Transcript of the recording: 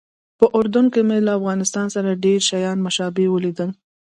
په اردن کې مې له افغانستان سره ډېر شیان مشابه ولیدل.